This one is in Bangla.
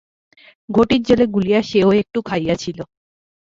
ঘটীর জলে গুলিয়া সেও একটু খাইয়াছিল।